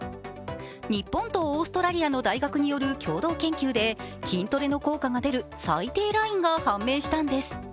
日本とオーストラリアの大学による共同研究で筋トレの効果が出る最低ラインが判明したんです。